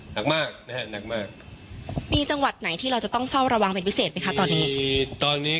หนักมากนะฮะหนักมากมีจังหวัดไหนที่เราจะต้องเฝ้าระวังเป็นพิเศษไหมคะตอนนี้